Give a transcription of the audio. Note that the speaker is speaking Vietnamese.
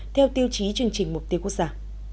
theo tiêu chí chương trình mục tiêu quốc gia